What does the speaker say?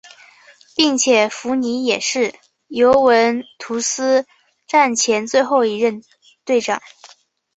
并且福尼也是尤文图斯战前最后一任队长。